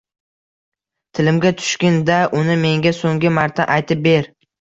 Tilimga tushgin-da uni menga so’nggi marta aytib ber